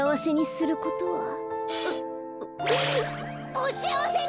おしあわせに！